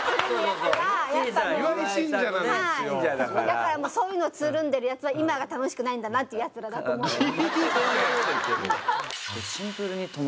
だからそういうのつるんでるやつは今が楽しくないんだなっていうやつらだと思ってます。